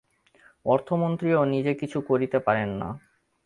অর্থমন্ত্রীও নিজে কিছুই করতে পারেন না।